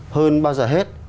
hơn bao giờ hết